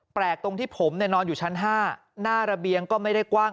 ตรงที่ผมนอนอยู่ชั้น๕หน้าระเบียงก็ไม่ได้กว้าง